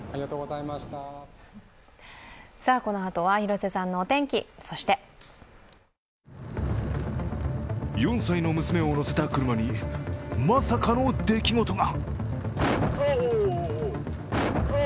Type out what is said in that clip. このあとは広瀬さんのお天気、そして４歳の娘を乗せた車にまさかの出来事が。